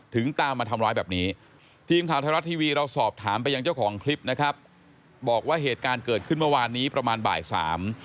ตามมาทำร้ายแบบนี้ทีมข่าวไทยรัฐทีวีเราสอบถามไปยังเจ้าของคลิปนะครับบอกว่าเหตุการณ์เกิดขึ้นเมื่อวานนี้ประมาณบ่ายสาม